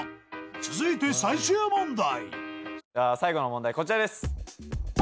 ［続いて最終問題］